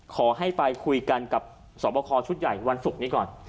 ขอให้ไปคุยกันกับสอบคอชุดใหญ่วันศุกร์นี้ก่อน